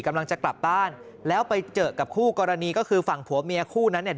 กำลังจะกลับบ้านแล้วไปเจอกับคู่กรณีก็คือฝั่งผัวเมียคู่นั้นเนี่ย